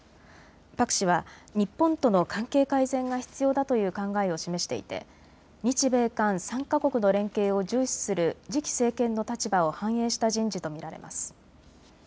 パク氏は日本との関係改善が必要だという考えを示していて日米韓３か国の連携を重視する次期政権の立場を反映した人事と見られます。